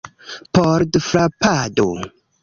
Pordfrapado